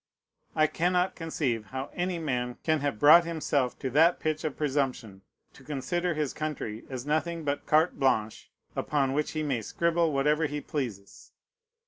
I cannot conceive how any man can have brought himself to that pitch of presumption, to consider his country as nothing but carte blanche, upon which he may scribble whatever he pleases.